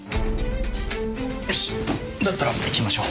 よしだったら行きましょう。